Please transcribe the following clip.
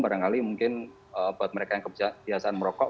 barangkali mungkin buat mereka yang kebiasaan merokok